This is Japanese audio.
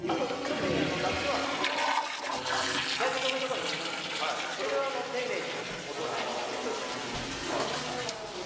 特に夏は日焼け止めとかを塗りますのでそれは丁寧に落としてあげてください。